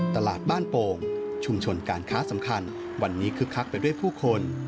ตลาดบ้านโป่งชุมชนการค้าสำคัญวันนี้คึกคักไปด้วยผู้คน